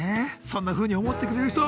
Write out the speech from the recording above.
そんなふうに思ってくれる人